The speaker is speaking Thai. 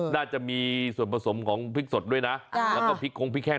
น่าจะมีส่วนผสมของสเล็กสดด้วยนะแล้วอัฮะซีกโครงพริกแห้ง